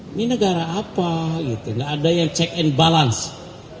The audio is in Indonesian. ini negara apa ada yang check and balance